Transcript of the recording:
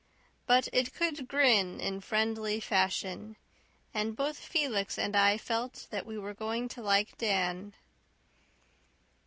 But it could grin in friendly fashion, and both Felix and I felt that we were going to like Dan.